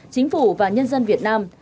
chính phủ và nhân dân việt nam